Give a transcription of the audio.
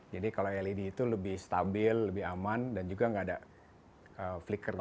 jadi kalau led itu lebih stabil lebih aman dan juga enggak ada flickernya